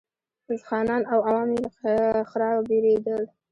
خانان او عوام یې له ښرا بېرېدل.